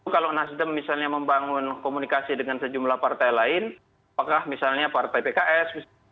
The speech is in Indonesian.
kalau nasdem misalnya membangun komunikasi dengan sejumlah partai lain apakah misalnya partai pks